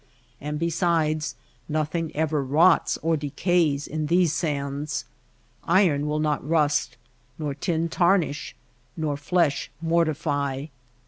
And besides, nothing ever rots or decays in these sands. Iron will not rust, nor tin tarnish, nor flesh mortify.